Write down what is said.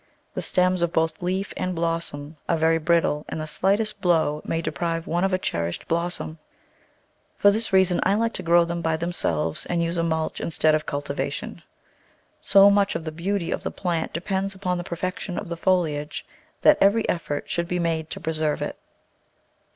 The stems of both leaf and blossom are very brittle and the slightest blow may deprive one of a cherished blos som. For this reason I like to grow them by them selves and use a mulch instead of cultivation. So much of the beauty of the plant depends upon the perfection of the foliage that every effort should be made to preserve it.